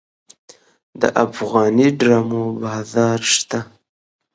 د افغاني ډرامو بازار شته؟